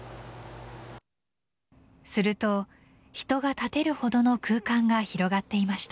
すると、人が立てるほどの空間が広がっていました。